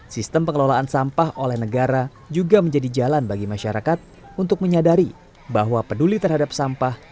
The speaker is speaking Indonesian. sistem pengelolaan sampah oleh negara juga menjadi jalan bagi masyarakat untuk menyadari bahwa peduli terhadap sampah